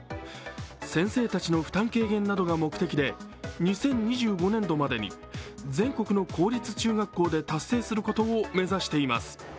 先生たちの負担軽減などが目的で２０２５年度までに、全国の公立中学校で達成することを目指しています。